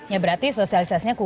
ya berarti sosialisasinya kuat